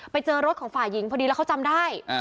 ไปเจอรถของฝ่ายหญิงพอดีแล้วเขาจำได้